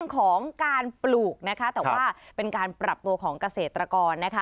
ของการปลูกเป็นการปรับตัวของเกษตรกร